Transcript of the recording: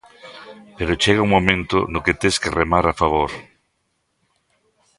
Pero chega un momento no que tes que remar a favor.